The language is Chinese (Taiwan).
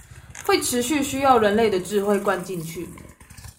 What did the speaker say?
會持續需要人類的智慧灌進去